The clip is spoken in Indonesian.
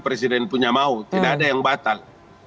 presiden punya mau tidak ada yang batal